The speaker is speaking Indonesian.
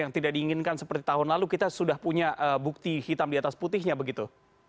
yang tidak diinginkan seperti tahun lalu kita sudah punya bukti hitam di atas putihnya begitu